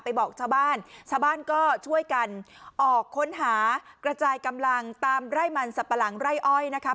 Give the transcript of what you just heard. บอกชาวบ้านชาวบ้านก็ช่วยกันออกค้นหากระจายกำลังตามไร่มันสับปะหลังไร่อ้อยนะคะ